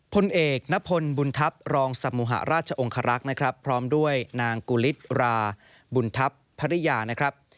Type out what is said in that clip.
พลเอกณพลบุญทัพรองสมุหราชองคารักษ์นะครับพร้อมด้วยนางกุฤษราบุญทัพภรรยานะครับ